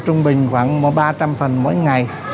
trung bình khoảng ba trăm linh phần mỗi ngày